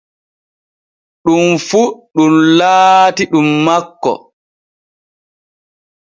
Ɗum fu ɗum laatii ɗum makko.